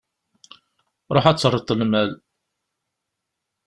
Ruḥ ad d-terreḍ lmal.